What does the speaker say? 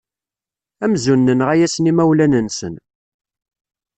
Amzun nenɣa-asen imawlan-nsen.